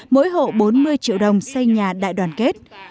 mỗi hộ bốn mươi triệu đồng xây nhà đại đoàn kết